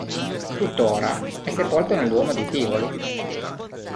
Tuttora è sepolto nel Duomo di Tivoli.